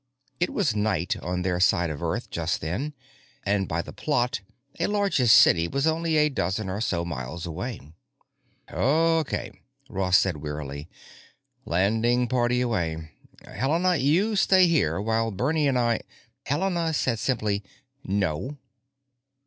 It was night on their side of Earth just then; and, by the plot, a largish city was only a dozen or so miles away. "Okay," said Ross wearily, "landing party away. Helena, you stay here while Bernie and I——" Helena said simply, "No."